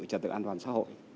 trật tự an toàn xã hội